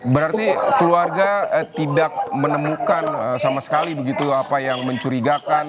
berarti keluarga tidak menemukan sama sekali begitu apa yang mencurigakan